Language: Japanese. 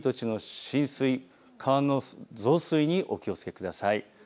低い土地の浸水、川の増水にお気をつけください。